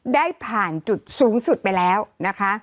ได้ผ่านจุดสูงสุดไปแล้วนะคะ